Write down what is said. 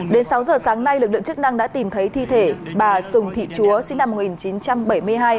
đến sáu giờ sáng nay lực lượng chức năng đã tìm thấy thi thể bà sùng thị chúa sinh năm một nghìn chín trăm bảy mươi hai